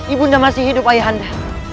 ibu unda masih hidup ayahanda